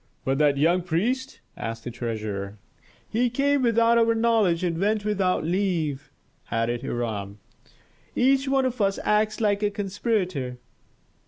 "But that young priest?" asked the treasurer. "He came without our knowledge and went without leave," added Hiram. "Each one of us acts like a conspirator."